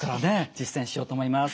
実践しようと思います。